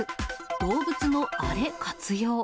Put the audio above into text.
動物のあれ活用。